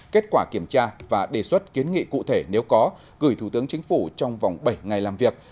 kết quả kiểm tra và đề xuất kiến nghị cụ thể nếu có gửi thủ tướng chính phủ trong vòng bảy ngày làm việc